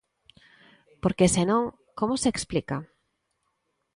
Porque se non ¿como se explica?